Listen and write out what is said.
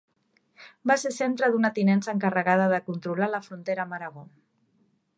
Va ser centre d'una tinença encarregada de controlar la frontera amb Aragó.